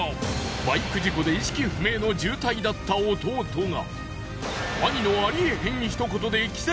バイク事故で意識不明の重体だった弟が。